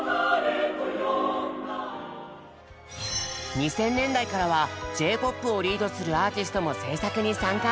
２０００年代からはＪ−ＰＯＰをリードするアーティストも制作に参加。